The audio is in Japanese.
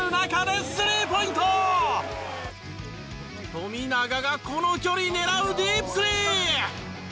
富永がこの距離狙うディープスリー！